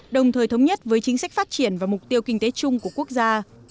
đồng thời thống nhất với chính sách phát triển và mục tiêu kinh tế chung của quốc gia